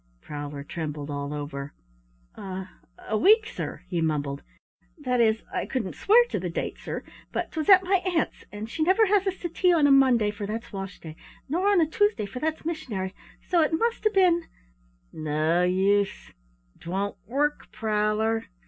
Prowler trembled all over. "A a week, sir," he mumbled, "that is, I couldn't swear to the date, sir, but 'twas at my aunt's and she never has us to tea on a Monday, for that's wash day, nor on a Tuesday, for that's missionary, so it must 'a' been " "No use, 't won't work, Prowler."